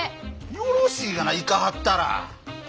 よろしいがな行かはったら。